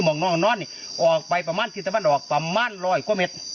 น้องนอนนี่ออกไปประมาณที่ตะวันออกประมาณร้อยกว่าเมตร